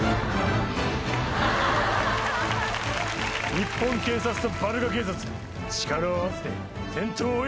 日本警察とバルカ警察力を合わせてテントを追い込むぞ！